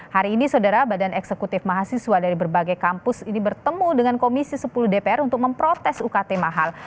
hari ini saudara badan eksekutif mahasiswa dari berbagai kampus ini bertemu dengan komisi sepuluh dpr untuk memprotes ukt mahal